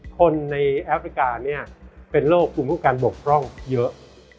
คนในแอฟริกาเนี่ยเป็นโรคภูมิคุ้มกันบกพร่องเยอะ